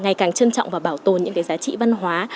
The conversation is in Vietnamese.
ngày càng trân trọng và bảo tồn những giá trị văn hóa